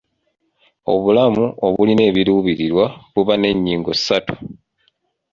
Obulamu obulina ekiruubirirwa buba n'ennyingo ssatu